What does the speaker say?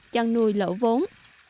chăn nuôi lỗ vốn